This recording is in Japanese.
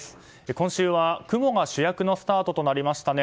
今週は雲が主役のスタートとなりましたね。